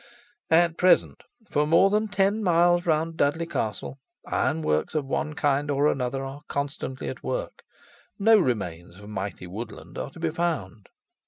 At present, for more than ten miles round Dudley Castle, iron works of one kind or another are constantly at work; no remains of mighty woodland are to be found.